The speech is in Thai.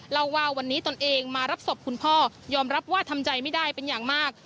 เล่าว่าวันนี้ตนเองมารับศพคุณพ่อยอมรับว่าทำใจไม่ได้เป็นอย่างมาก